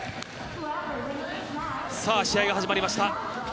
さあ、試合が始まりました。